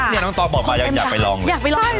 เนี่ยต้องตอบปากอยากไปลองเลย